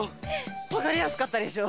わかりやすかったでしょ？